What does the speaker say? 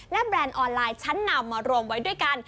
และแบรนด์ออนไลน์ชั้นนำมารวมไว้ด้วยกัน